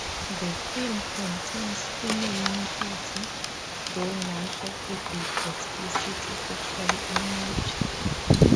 The film contains female nudity, though none of it is explicitly sexual in nature.